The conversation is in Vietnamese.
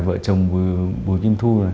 vợ chồng bùi kim thu